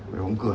phải bóng cười